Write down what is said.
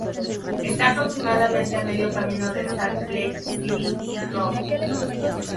Está aproximadamente a medio camino de Salt Lake City y Provo.